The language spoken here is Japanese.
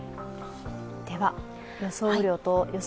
では、予想雨量と予想